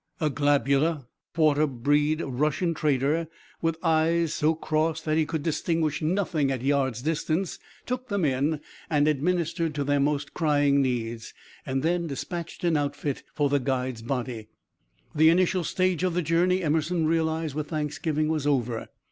A globular, quarter breed Russian trader, with eyes so crossed that he could distinguish nothing at a yard's distance, took them in and administered to their most crying needs, then dispatched an outfit for the guide's body. The initial stage of the journey, Emerson realized with thanksgiving, was over.